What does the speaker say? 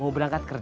angell yang leher